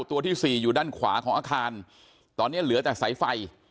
ตัวที่สี่อยู่ด้านขวาของอาคารตอนนี้เหลือแต่สายไฟ